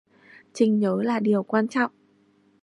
Chinh nhớ là điều quan trọng